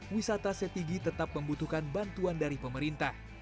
wisata setigi tetap membutuhkan bantuan dari pemerintah